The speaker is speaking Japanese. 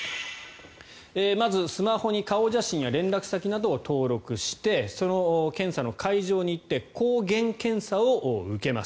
まず、スマホに顔写真や連絡先などを登録してその検査の会場に行って抗原検査を受けます。